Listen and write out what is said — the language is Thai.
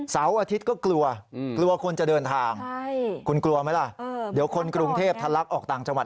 เสาร์อาทิตย์ก็กลัวกลัวคนจะเดินทางคุณกลัวไหมล่ะเดี๋ยวคนกรุงเทพทะลักออกต่างจังหวัด